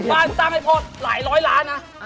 บ้านตั้งให้พ่อหลายร้อยล้านนะ